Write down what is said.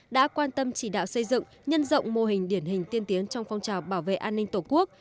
đã quan tâm chỉ đạo xây dựng nhân rộng mô hình điển hình tiên tiến trong phong trào bảo vệ an ninh tổ quốc